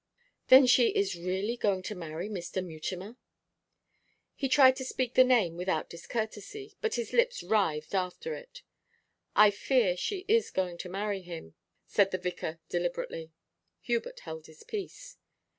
'That she is really going to marry Mr. Mutimer?' He tried to speak the name without discourtesy, but his lips writhed after it. 'I fear she is going to marry him,' said the vicar deliberately. Hubert held his peace.